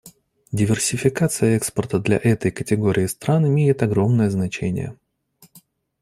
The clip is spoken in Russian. Диверсификация экспорта для этой категории стран имеет огромное значение.